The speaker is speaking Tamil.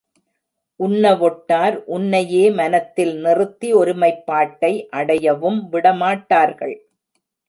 உன்னவொட்டார் உன்னையே மனத்தில் நிறுத்தி ஒருமைப்பாட்டை அடையவும்விட மாட்டார்கள்.